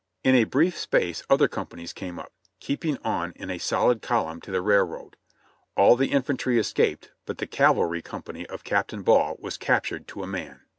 In a brief space other companies came up, keeping on in a solid column to the railroad. All the infantry escaped, but the cavalry company of Captain Ball was captured to a man.